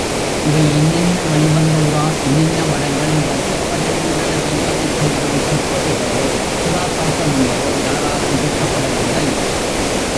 இவை இன்னின்ன வழிவந்தோரால் இன்னின்ன மடங்களில் வைக்கப்பட்டிருந்தனவென்பதைச் சொல்லும் செப்பேடுகளோ சிலாசாஸனங்களோ யாராலும் சுட்டப்படவில்லை.